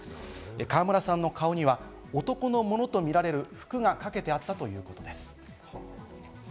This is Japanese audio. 川村さんの顔には男のものとみられる服がかけてあったということです。